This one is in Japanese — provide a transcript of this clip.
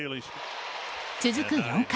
続く４回。